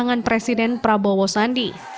dengan presiden prabowo sandi